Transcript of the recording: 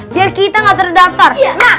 biar kita gak terdaftar